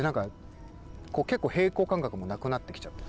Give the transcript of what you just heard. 結構平衡感覚もなくなってきちゃって。